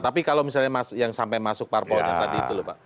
tapi kalau misalnya yang sampai masuk parpolnya tadi itu lho pak